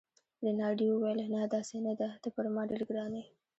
رینالډي وویل: نه، داسې نه ده، ته پر ما ډېر ګران يې.